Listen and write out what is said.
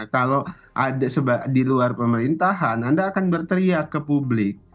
kalau ada di luar pemerintahan anda akan berteriak ke publik